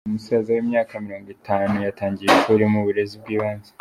Umusaza w’imyaka Mirongo Itanu yatangiye ishuri mu burezi bw’ibanze